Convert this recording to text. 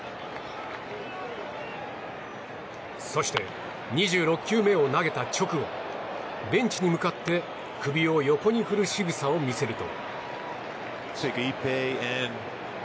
そして、２６球目を投げた直後ベンチに向かって首を横に振るしぐさを見せると。